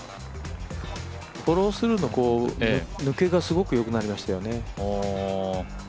フォロースルーの抜けがすごくよくなりましたよね。